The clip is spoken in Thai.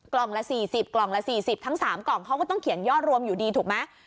ละ๔๐กล่องละ๔๐ทั้ง๓กล่องเขาก็ต้องเขียนยอดรวมอยู่ดีถูกไหม